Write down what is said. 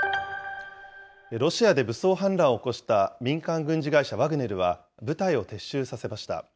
ロシアで武装反乱を起こした民間軍事会社ワグネルは部隊を撤収させました。